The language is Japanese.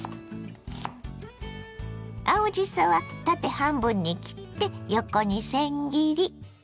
青じそは縦半分に切って横にせん切り。